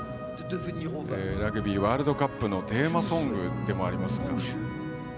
ラグビーワールドカップのテーマソングでもあります